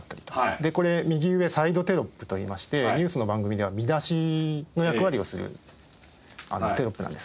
でこれ右上サイドテロップといいましてニュースの番組では見出しの役割をするテロップなんですね。